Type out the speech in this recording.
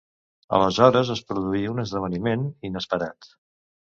Aleshores es produí un esdeveniment inesperat.